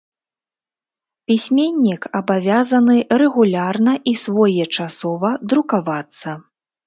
Пісьменнік абавязаны рэгулярна і своечасова друкавацца.